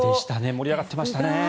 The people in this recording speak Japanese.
盛り上がってましたね。